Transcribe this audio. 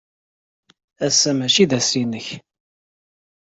Ass-a maci d ass-nnek.